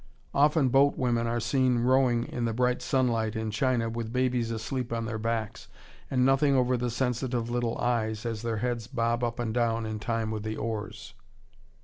Often boat women are seen rowing in the bright sunlight in China with babies asleep on their backs, and nothing over the sensitive little eyes as their heads bob up and down in time with the oars.